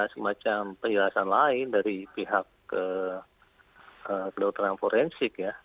semacam penjelasan lain dari pihak ke daerah daerah forensik ya